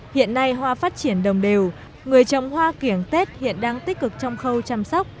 hiện nay hoa phát triển đồng đều người trồng hoa kiểng tết hiện đang tích cực trong khâu chăm sóc